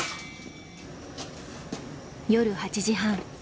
夜８時半。